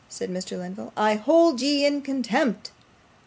said Mr. Lenville, 'I hold ye in contempt.